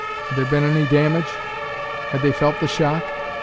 Had there been any damage? Had they felt the shock?